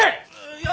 いや！